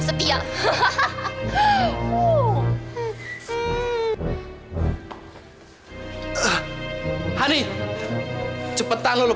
kalau tidak bukannya memang hanyalah